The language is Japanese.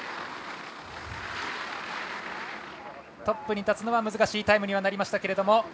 トップに立つのは難しいタイムになりましたが。